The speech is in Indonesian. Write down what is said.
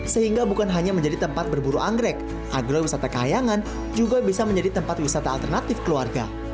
sehingga bukan hanya menjadi tempat berburu anggrek agrowisata kahayangan juga bisa menjadi tempat wisata alternatif keluarga